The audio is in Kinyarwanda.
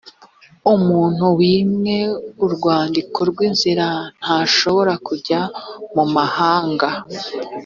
umuntu wimwe urwandiko rw’inzira ntashobora kujya mu mahanga